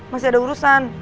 masih ada urusan